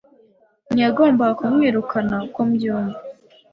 ntiyagombaga kumwirukana uko mbyumva.”